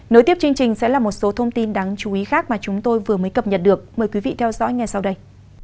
nối tiếp chương trình sẽ là một số thông tin đáng chú ý khác mà chúng tôi vừa mới cập nhật được mời quý vị theo dõi ngay sau đây